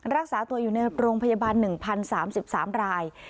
รักษาตัวอยู่ในโรงพยาบาล๑๐๓๓ราย